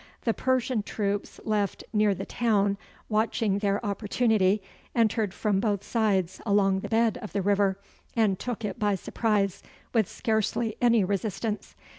The Persian troops left near the town, watching their opportunity, entered from both sides along the bed of the river, and took it by surprise with scarcely any resistance.